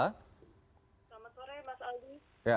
selamat sore mas aldi